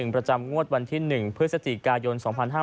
ประจำงวดวันที่๑เพื่อสถิติกายน๒๕๖๐